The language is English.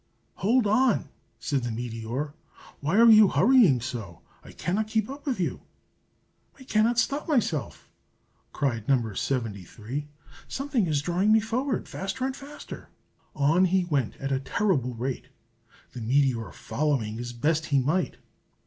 "Hold on!" said the meteor. "Why are you hurrying so? I cannot keep up with you." "I cannot stop myself!" cried No. 73. "Something is drawing me forward, faster and faster!" On he went at a terrible rate, the meteor following as best he might.